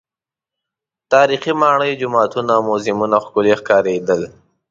تاریخي ماڼۍ، جوماتونه، موزیمونه ښکلي ښکارېدل.